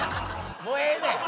もうええねん！